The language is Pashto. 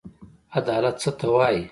عدالت څه ته وايي.